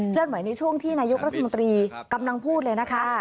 เลื่อนไหวในช่วงที่นายกรัฐมนตรีกำลังพูดเลยนะคะ